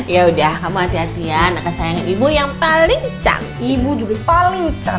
yaudah kamu hati hatian nggak kesayangin ibu yang paling can ibu juga paling can